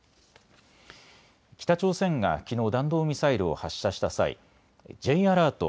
北朝鮮がきのう弾道ミサイルを発射した際、Ｊアラート